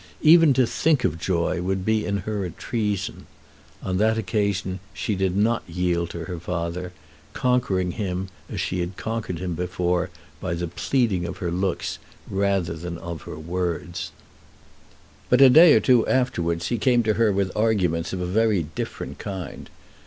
Even to think of joy would in her be a treason. On that occasion she did not yield to her father, conquering him as she had conquered him before by the pleading of her looks rather than of her words. But a day or two afterwards he came to her with arguments of a very different kind.